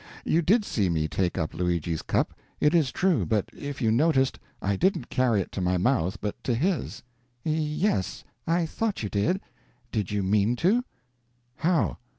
You did see me take up Luigi's cup, it is true, but if you noticed, I didn't carry it to my mouth, but to his." "Y es, I thought you did: Did you mean to?" "How?"